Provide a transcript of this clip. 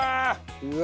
うわ！